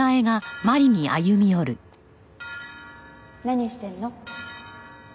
何してるの？